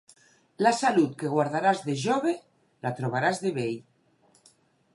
La salut que guardaràs de jove, la trobaràs de vell.